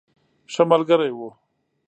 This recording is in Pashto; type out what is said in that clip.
ښه ملګری وو.